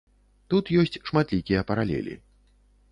Тут ёсць шматлікія паралелі.